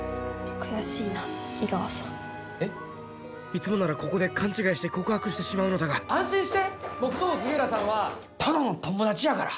いつもならここで勘違いして告白してしまうのだが安心して僕と杉浦さんはただの友達やから。